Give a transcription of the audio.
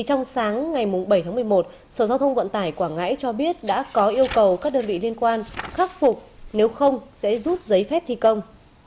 trong sáng ngày bảy tháng một mươi một sở giao thông vận tải quảng ngãi cho biết đã có yêu cầu các đơn vị liên quan khắc phục nếu không sẽ rút giấy phép thi công